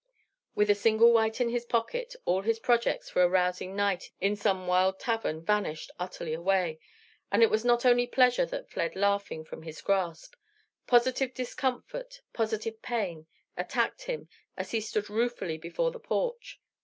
With a single white in his pocket, all his projects for a rousing night in some wild tavern vanished utterly away. And it was not only pleasure that fled laughing from his grasp; positive discomfort, positive pain, attacked him as he stood ruefully before the porch.